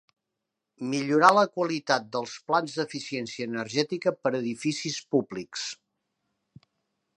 Millorar la qualitat dels Plans d'Eficiència Energètica per edificis públics.